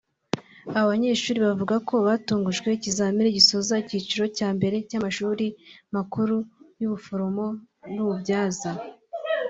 Aba banyeshuri bavuga ko batungujwe ikizamini gisoza icyiciro cya mbere cy’amashuri makuru y’ubuforomo n’ububyaza